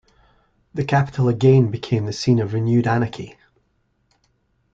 The Capital again became the scene of renewed anarchy.